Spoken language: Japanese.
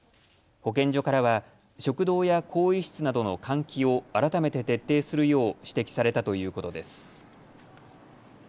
保健所からは食堂や更衣室などの換気を改めて徹底するよう指摘されたということです。